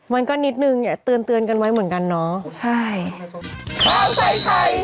มันก็นิดหนึ่งเตือนกันไว้เหมือนกันเนอะ